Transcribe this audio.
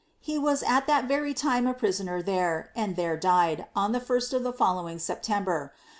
He was at that very time a prisoner there, and tiicre died, on the first of u;e killowing September.